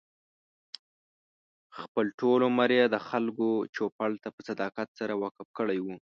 خپل ټول عمر یې د خلکو چوپـړ ته په صداقت سره وقف کړی و.